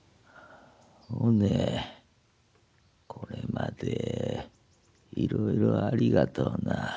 おねこれまでいろいろありがとうな。